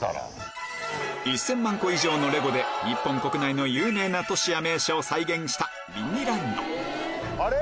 １０００万個以上のレゴで日本国内の有名な都市や名所を再現したミニランドあれ？